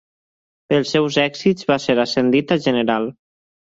Pels seus èxits va ser ascendit a general.